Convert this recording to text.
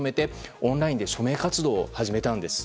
オンラインで署名活動を始めたんです。